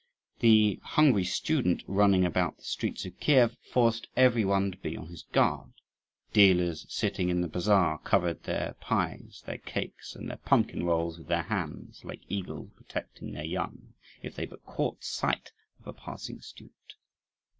The hungry student running about the streets of Kief forced every one to be on his guard. Dealers sitting in the bazaar covered their pies, their cakes, and their pumpkin rolls with their hands, like eagles protecting their young, if they but caught sight of a passing student.